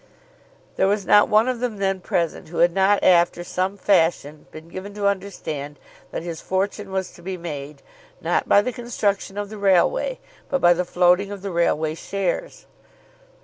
There was not one of them then present who had not after some fashion been given to understand that his fortune was to be made, not by the construction of the railway, but by the floating of the railway shares.